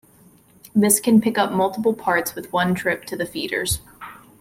This can pick up multiple parts with one trip to the feeders.